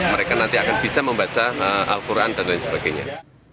mereka nanti akan bisa membaca al quran dan lain sebagainya